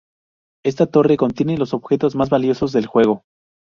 Esta torre contiene los objetos más valiosos del juego.